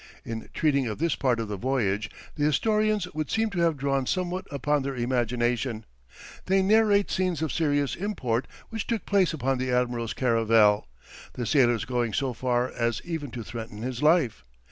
In treating of this part of the voyage, the historians would seem to have drawn somewhat upon their imagination; they narrate scenes of serious import which took place upon the admiral's caravel, the sailors going so far as even to threaten his life.